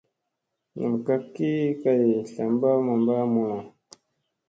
Nam kak ki kay zlagam mamba mulla.